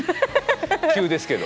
急ですけど。